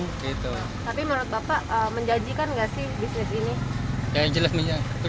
tapi menurut bapak menjanjikan nggak sih bisnis ini